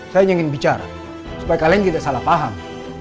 saya ingin bicara supaya kalian tidak salah paham